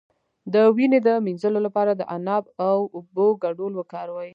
د وینې د مینځلو لپاره د عناب او اوبو ګډول وکاروئ